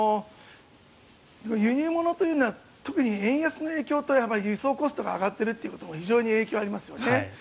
輸入物というのは特に円安の影響と輸送コストが上がっていることも非常に影響ありますよね。